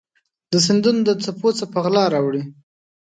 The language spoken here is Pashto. د سیندونو د څپو څه په غلا راوړي